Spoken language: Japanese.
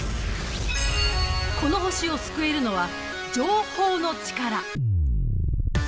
この星を救えるのは情報のチカラ。